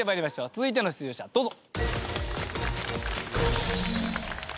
続いての出場者どうぞ。